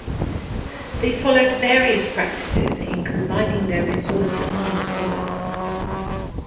They followed various practices in combining their resources in common.